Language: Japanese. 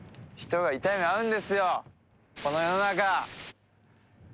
この世の中。